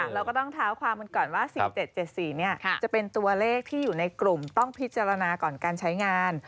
เราก็ต้องเท้าความกันก่อนว่า๔๗๗๔จะเป็นตัวเลขที่อยู่ในกลุ่มต้องพิจารณาก่อนการใช้งาน